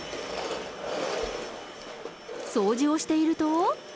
掃除をしていると。